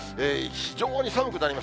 非常に寒くなります。